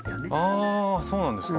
あそうなんですか。